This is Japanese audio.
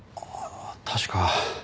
確か。